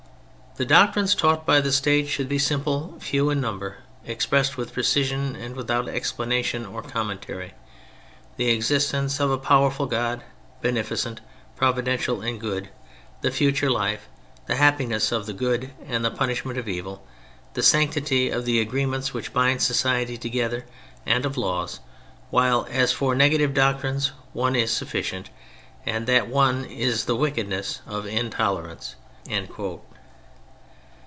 '' The doctrines taught by the State should be simple, few in number, expressed with precision and without explanation or com mentary. The existence of a powerful God, beneficent, providential and good; the future life; the happiness of the good and the pun ishment of evil; the sanctity of the agree ments which bind society together and of laws ; while as for negative doctrines, one is sufficient, and that one is the wickedness of intolerance."